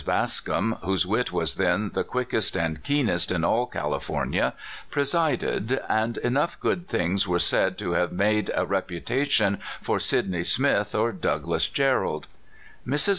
Bascom, whose wit was then the quickest and keenest in all California, presided, and enough good things were said to have made a reputation for Sidney Smith A VIRGINIAN IN CALIFORNIA. 261 or Douglas Jerrold. Mrs.